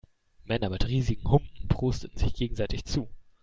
Männer mit riesigen Humpen prosteten sich gegenseitig zu.